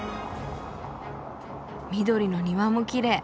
緑の庭もきれい。